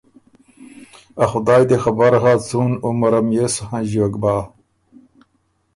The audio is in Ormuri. ا خدای دی خبر هۀ څُون عمرم يې سو هنݫیوک بَۀ۔